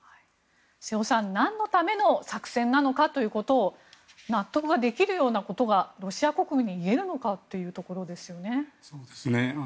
瀬尾さん、何のための作戦なのかということを納得ができるようなことがロシア国民に言えるのかというところですよね。